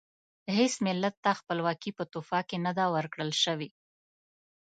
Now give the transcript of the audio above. هیڅ ملت ته خپلواکي په تحفه کې نه ده ورکړل شوې.